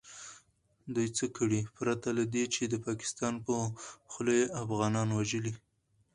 دوئ څه کړي پرته له دې چې د پاکستان په خوله يې افغانان وژلي .